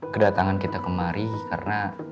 kedatangan kita kemari karena